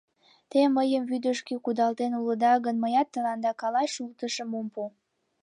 — Те мыйым вӱдышкӧ кудалтен улыда гын, мыят тыланда калач шултышым ом пу.